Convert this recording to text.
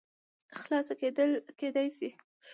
خلاصه کېداى شي